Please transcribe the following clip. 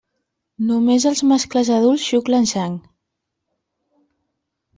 Només els mascles adults xuclen sang.